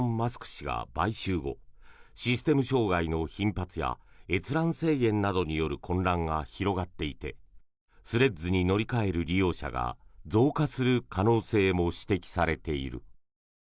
氏が買収後システム障害の頻発や閲覧制限などによる混乱が広がっていてスレッズに乗り換える利用者が増加する可能性も指摘されている。